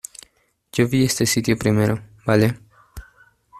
yo vi este sitio primero, ¿ vale?